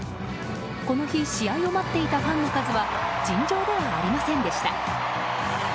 この日、試合を待っていたファンの数は尋常ではありませんでした。